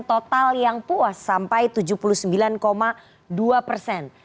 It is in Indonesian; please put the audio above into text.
total yang puas sampai tujuh puluh sembilan dua persen